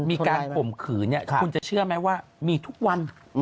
มีการคมขืนคุณจะเชื่อไหมว่ามีทุกวัน